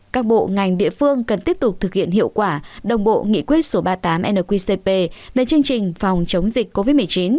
các bộ ngành địa phương cần tiếp tục thực hiện hiệu quả đồng bộ nghị quyết số ba mươi tám nqcp về chương trình phòng chống dịch covid một mươi chín